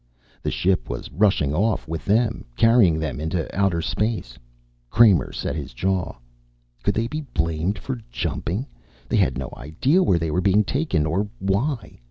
The ship was rushing off with them, carrying them into outer space. Kramer set his jaw. Could they be blamed for jumping? They had no idea where they were being taken, or why.